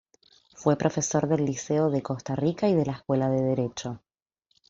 Fue profesor del Liceo de Costa Rica y de la Escuela de Derecho.